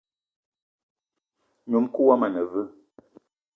Ngnom-kou woma ane veu?